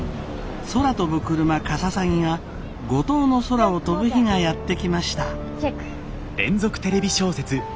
空飛ぶクルマかささぎが五島の空を飛ぶ日がやって来ました。